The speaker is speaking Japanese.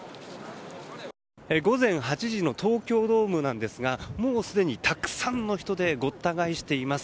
午前８時の東京ドームなんですがもうすでにたくさんの人でごった返しています。